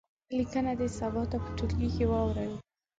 لیکنه دې سبا ته په ټولګي کې واوروي.